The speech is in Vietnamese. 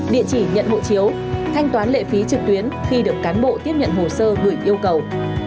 địa chỉ nhận hộ chiếu thanh toán lệ phí trực tuyến khi được cán bộ tiếp nhận hồ sơ gửi yêu cầu